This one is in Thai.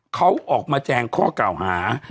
เขาออกมาแจงข้อเก่าหา